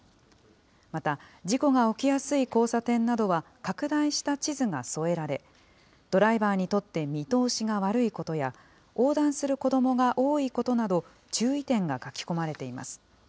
また、事故が起きやすい交差点などは拡大した地図が添えられ、ドライバーにとって見通しが悪いことや、横断する子どもが多いことなど注意点が書き込まれています。